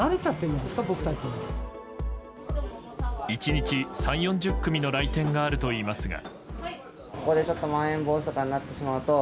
１日３０４０組の来店があるといいますが。